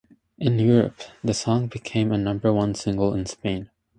In Europe, the song became a number one single in Spain.